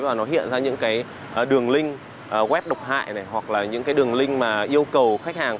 và nó hiện ra những cái đường link web độc hại này hoặc là những cái đường link mà yêu cầu khách hàng